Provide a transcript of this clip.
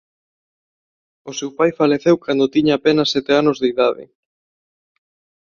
O seu pai faleceu cando tiña apenas sete anos de idade.